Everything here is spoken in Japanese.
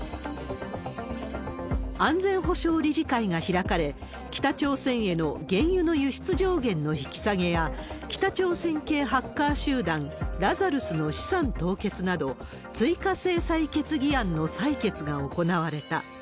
安全保障理事会が開かれ、北朝鮮への原油の輸出上限の引き下げや、北朝鮮系ハッカー集団、ラザルスの資産凍結など、追加制裁決議案の採決が行われた。